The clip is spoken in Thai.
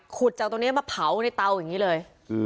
ขุดจากตรงนี้มาเผาในเตาอย่างนี้เลย